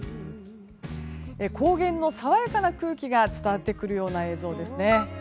高原の爽やかな空気が伝わってくるような映像ですね。